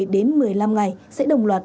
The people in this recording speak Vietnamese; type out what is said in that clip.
một mươi đến một mươi năm ngày sẽ đồng loạt